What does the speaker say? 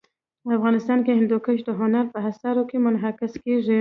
افغانستان کې هندوکش د هنر په اثار کې منعکس کېږي.